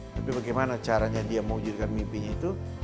tapi bagaimana caranya dia mewujudkan mimpinya itu